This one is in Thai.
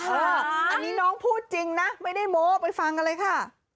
อันนี้น้องพูดจริงนะไม่ได้โม้ไปฟังกันเลยค่ะ